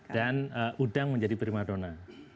dan udang menjadi prima donna